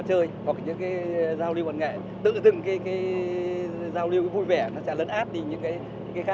chỉ có cái tinh thần tinh thần là chính